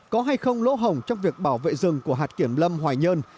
có hay không lỗ hỏng trong việc bảo vệ rừng của hạt kiểm lâm hoài nhơn